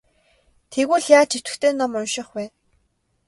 Тэгвэл яаж идэвхтэй ном унших вэ?